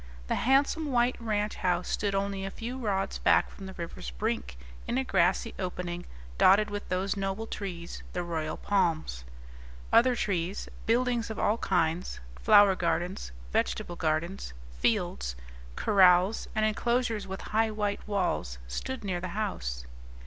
The handsome white ranch house stood only a few rods back from the river's brink, in a grassy opening dotted with those noble trees, the royal palms. Other trees, buildings of all kinds, flower gardens, vegetable gardens, fields, corrals, and enclosures with high white walls stood near the house.